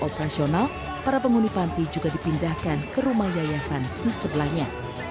operasional para penghuni panti juga dipindahkan ke rumah yayasan di sebelahnya